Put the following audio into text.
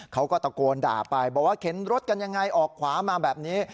เขาก็ตะโกนด่าไปบอกว่าเข็นรถกันยังไงออกขวามาแบบนี้